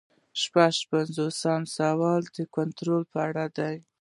شپږ پنځوسم سوال د کنټرول په اړه دی.